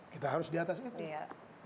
kita harus di atas itu